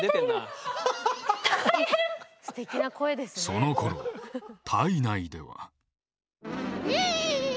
そのころ体内では。